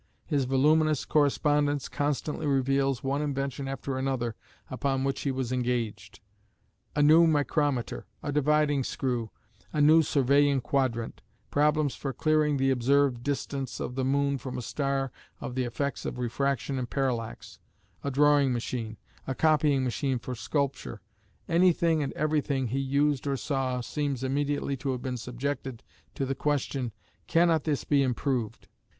His voluminous correspondence constantly reveals one invention after another upon which he was engaged. A new micrometer, a dividing screw, a new surveying quadrant, problems for clearing the observed distance of the moon from a star of the effects of refraction and parallax, a drawing machine, a copying machine for sculpture anything and everything he used or saw seems immediately to have been subjected to the question: "Cannot this be improved?"